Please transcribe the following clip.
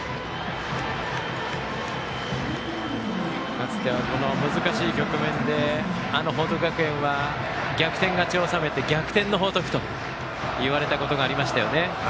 かつては難しい局面で報徳学園は逆転勝ちを収めて逆転の報徳といわれたことがありましたよね。